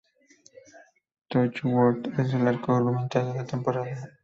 Torchwood es el arco argumental de la temporada.